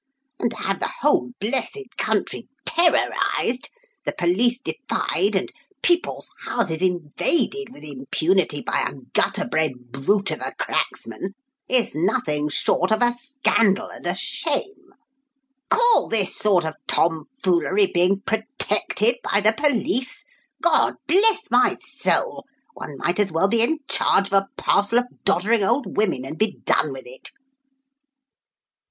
And to have the whole blessed country terrorised, the police defied, and people's houses invaded with impunity by a gutter bred brute of a cracksman is nothing short of a scandal and a shame! Call this sort of tomfoolery being protected by the police? God bless my soul! one might as well be in charge of a parcel of doddering old women and be done with it!"